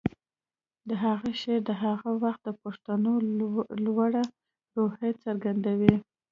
د هغه شعر د هغه وخت د پښتنو لوړه روحیه څرګندوي